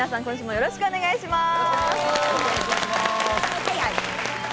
よろしくお願いします。